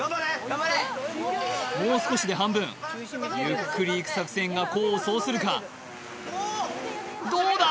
もう少しで半分ゆっくり行く作戦が功を奏するのかどうだ？